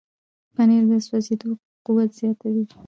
پنېر د سوځېدو قوت زیاتوي.